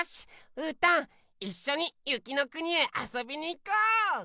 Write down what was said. うーたんいっしょにゆきのくにへあそびにいこう！